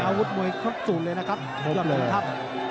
อาวุธมวยผมสูงเลยนะครับ